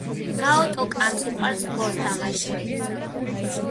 ნაოტო კანს უყვარს გოს თამაში.